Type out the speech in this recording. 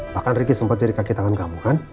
bahkan ricky sempat jadi kaki tangan kamu kan